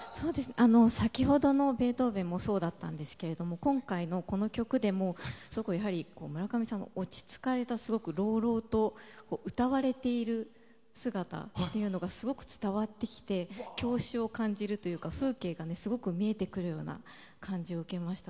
先ほどのベートーベンもそうだったんですけど今回のこの曲でも村上さんの落ち着かれたすごく朗々と歌われている姿がすごく伝わってきて郷愁を感じるというか風景が見えてくるような感じを受けました。